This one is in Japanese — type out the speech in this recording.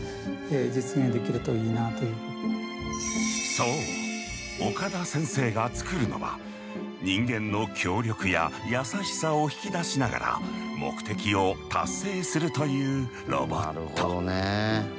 そう岡田先生が作るのは人間の協力や優しさを引き出しながら目的を達成するというロボット。